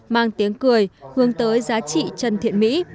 mang tiếng cười hướng tới giá trị trần thiện mỹ